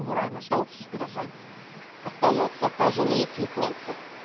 お聴きください。